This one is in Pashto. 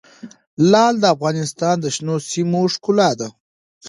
لعل د افغانستان د شنو سیمو ښکلا ده.